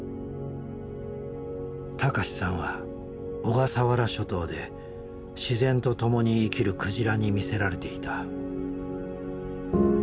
孝さんは小笠原諸島で自然と共に生きるクジラに魅せられていた。